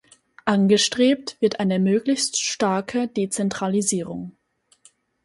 Angestrebt wird eine möglichst starke Dezentralisierung.